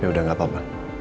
yaudah gak apa apa